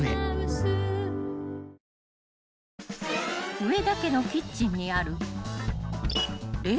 ［上田家のキッチンにある］